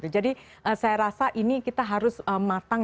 jadi saya rasa ini kita harus matang